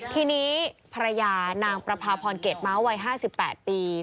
ทีนี้ภรรยานางประพาพรเกรดม้าวัย๕๘ปี